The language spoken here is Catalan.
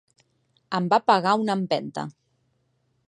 Em va pegar una empenta.